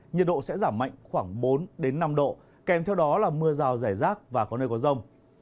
nhiệt độ sẽ giảm mạnh khoảng bốn năm độ kèm theo đó là mưa rào rải rác và có nơi có rông